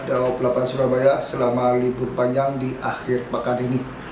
daob delapan surabaya selama libur panjang di akhir pekan ini